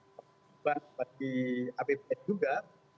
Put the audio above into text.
berguna di apbn juga